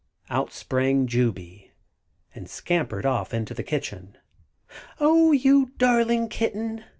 Out sprang Jubey, and scampered off into the kitchen. "Oh, you darling kitten!"